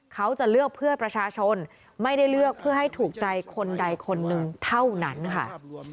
เขาจะเลือกเพื่อประชาชนไม่ได้เลือกเพื่อให้ถูกใจคนใดคนหนึ่งเท่านั้นค่ะ